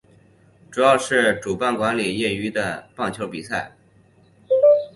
主要是主办管理业余的棒球比赛。